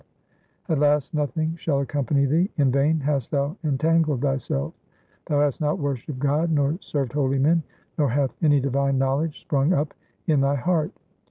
HYMNS OF GURU TEG BAHADUR 399 At last nothing shall accompany thee ; in vain hast thou entangled thyself. Thou hast not worshipped God, nor served holy men, nor hath any divine knowledge sprung up in thy heart.